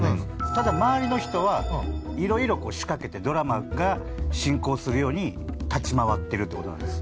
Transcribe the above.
ただ周りの人はいろいろ仕掛けてドラマが進行するように立ち回ってるってことなんです。